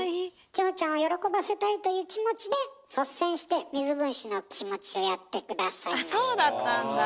千穂ちゃんを喜ばせたいという気持ちで率先して水分子の気持ちをやって下さいました。